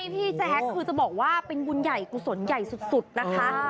พี่แจ๊คคือจะบอกว่าเป็นบุญใหญ่กุศลใหญ่สุดนะคะ